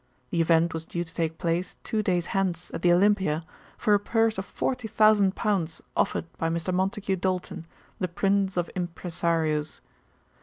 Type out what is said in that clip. The event was due to take place two days hence at the Olympia for a purse of 40,000 pounds offered by Mr. Montague Doulton, the prince of impresarios.